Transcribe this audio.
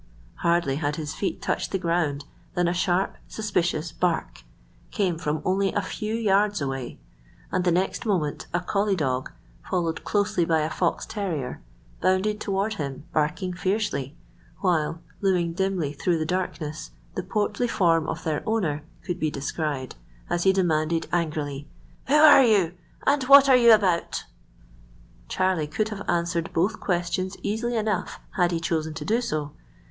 Hardly had his feet touched the ground than a sharp, suspicious bark came from only a few yards away, and the next moment a collie dog, followed closely by a fox terrier, bounded toward him, barking fiercely, while looming dimly through the darkness the portly form of their owner could be descried, as he demanded angrily,— "Who are you? and what are you about?" Charlie could have answered both questions easily enough had he chosen to do so.